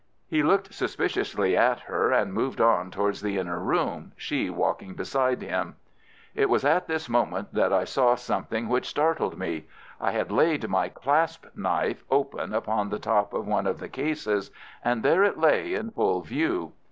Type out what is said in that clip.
He looked suspiciously at her and moved on towards the inner room, she walking beside him. It was at this moment that I saw something which startled me. I had laid my clasp knife open upon the top of one of the cases, and there it lay in full view.